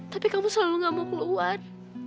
tapi kamu selalu gak mau keluar